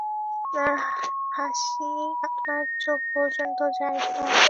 আপনার হাসি আপনার চোখ পর্যন্ত যায় না।